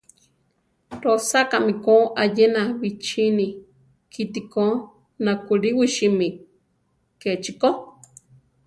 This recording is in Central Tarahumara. Rosakámi ko ayena bichíni kiti ko nakúliwisimi; kechi ko.